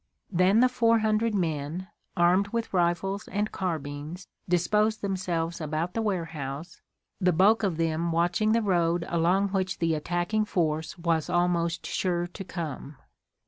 Then the four hundred men, armed with rifles and carbines, disposed themselves about the warehouse, the bulk of them watching the road along which the attacking force was almost sure to come.